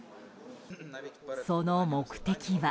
その目的は。